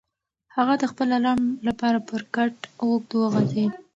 هغه د خپل ارام لپاره پر کټ اوږد وغځېد.